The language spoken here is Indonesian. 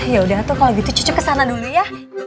yaudah tuh kalau gitu cucuk ke sana dulu ya